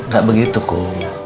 gak begitu kum